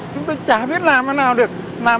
chúng tôi chả biết làm thế nào được